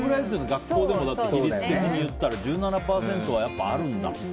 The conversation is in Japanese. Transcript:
学校での比率的に言ったら１７％はあるんだ。